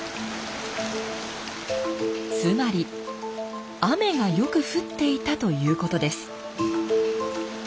つまり雨がよく降っていたということです。